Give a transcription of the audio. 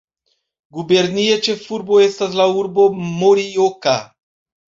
Gubernia ĉefurbo estas la urbo Morioka.